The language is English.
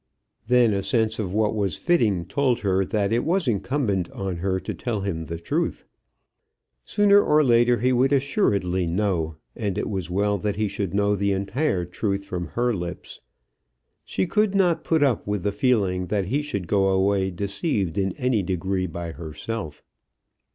Then a sense of what was fitting told her that it was incumbent on her to tell him the truth. Sooner or later he would assuredly know, and it was well that he should know the entire truth from her lips. She could not put up with the feeling that he should go away deceived in any degree by herself.